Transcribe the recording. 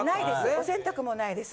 お洗濯もないです。